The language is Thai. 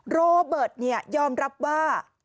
โรเบิร์ตยอมรับว่า